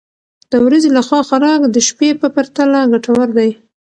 د ورځې لخوا خوراک د شپې په پرتله ګټور دی.